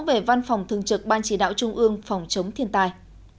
về văn phòng thường trực ban chỉ đạo trung ương phòng chống thiên tai